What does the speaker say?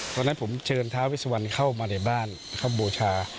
ตอนนั้นผมเชิญท้าเวสวันเข้ามาในบ้านเข้าบูชา